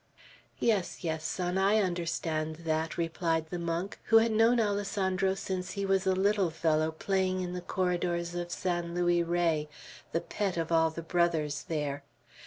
"Yes, yes, son. I understand that," replied the monk, who had known Alessandro since he was a little fellow playing in the corridors of San Luis Rey, the pet of all the Brothers there.